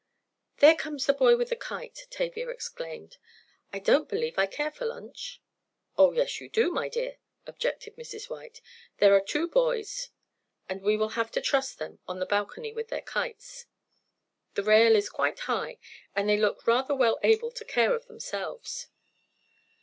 "There comes the boy with the kite," Tavia exclaimed. "I don't believe I care for lunch." "Oh, yes you do, my dear," objected Mrs. White. "There are two boys and we will have to trust them on the balcony with their kites. The rail is quite high, and they look rather well able to take care of themselves."